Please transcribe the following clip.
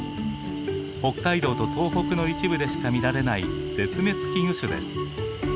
北海道と東北の一部でしか見られない絶滅危惧種です。